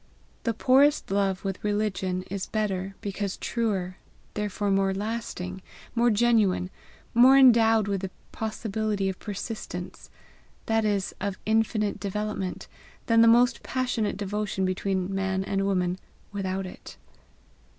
The poorest love with religion, is better, because truer, therefore more lasting, more genuine, more endowed with the possibility of persistence that is, of infinite development, than the most passionate devotion between man and woman without it.